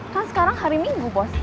kan sekarang hari minggu bos